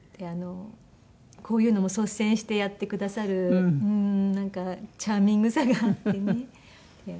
こういうのも率先してやってくださるチャーミングさがあってね。